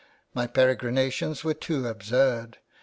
My peregrinations were too absurd.